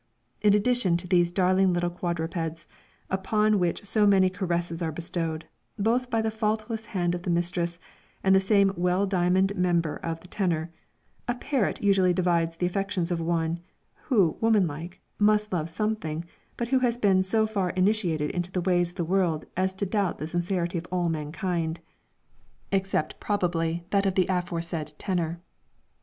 In addition to these darling little quadrupeds, upon which so many caresses are bestowed, both by the faultless hand of the mistress, and the same well diamonded member of the tenor, a parrot usually divides the affections of one, who woman like, must love something, but who has been so far initiated into the ways of the world as to doubt the sincerity of all mankind, except probably that of the aforesaid tenor.